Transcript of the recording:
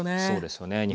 そうですよね。